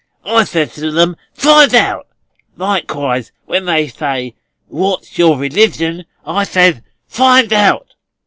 I says to them, 'Find out.' Likewise when they says, 'What's your religion?' I says, 'Find out.